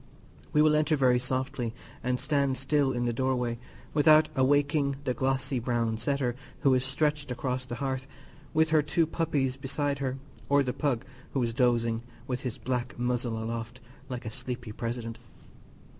We will enter very softly and stand still in the open doorway, without awaking the glossy brown setter who is stretched across the hearth, with her two puppies beside her; or the pug, who is dozing, with his black muzzle aloft, like a sleepy president.